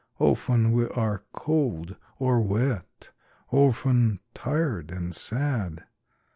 Often we are cold or wet, Often tired and sad.